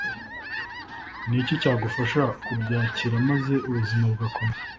Ni iki cyagufasha kubyakira maze ubuzima bugakomeza?